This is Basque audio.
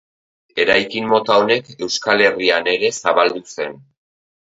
Eraikin mota honek Euskal Herrian ere zabaldu zen.